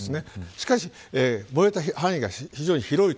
しかし燃えた範囲が非常に広い。